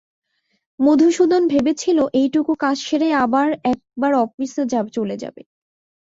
মধুসূদন ভেবেছিল এইটুকু কাজ সেরেই আবার একবার আপিসে চলে যাবে।